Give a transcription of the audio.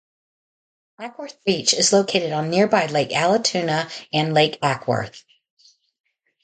Acworth Beach is located on nearby Lake Allatoona and Lake Acworth.